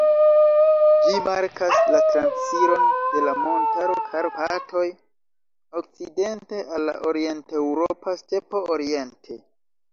Ĝi markas la transiron de la montaro Karpatoj okcidente al la orienteŭropa stepo oriente.